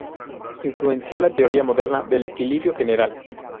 Influenció la teoría moderna del equilibrio general.